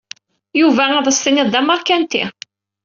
Yuba ad as-tiniḍ d amerkanti.